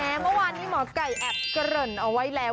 แหม้เมื่อวานนี้หมอไก่แอบกระเหร่นเอาไว้แล้ว